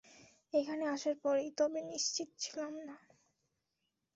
এখানে আসার পরেই, তবে নিশ্চিত ছিলাম না।